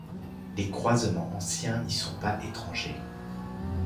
Les croisements anciens n'y sont pas étrangers.